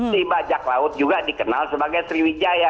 si bajak laut juga dikenal sebagai sriwijaya